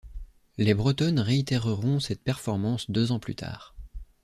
Les bretonnes réitéreront cette performance deux ans plus tard.